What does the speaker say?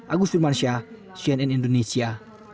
agus dirmansyah cnn indonesia